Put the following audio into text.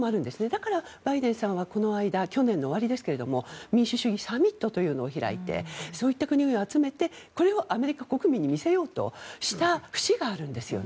だから、バイデンさんはこの間、去年の終わりですが民主主義サミットというのを開いてそういった国々を集めてこれをアメリカ国民に見せようとした節があるんです。